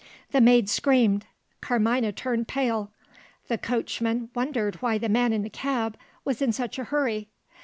The maid screamed; Carmina turned pale; the coachman wondered why the man in the cab was in such a hurry.